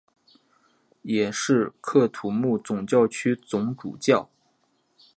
也是喀土穆总教区总主教。